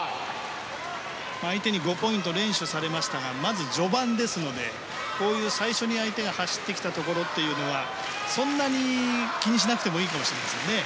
相手に５ポイント連取されましたがまず序盤ですのでこういう最初に相手が走ってきたところはそんなに気にしなくてもいいかもしれませんね。